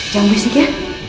jangan berisik ya